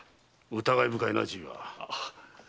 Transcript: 疑い深いなじいは。